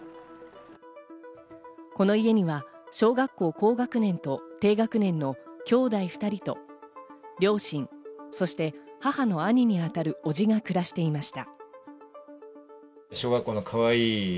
この家には小学校高学年と低学年の兄弟２人と両親、そして母の兄にあたる伯父が暮らしていました。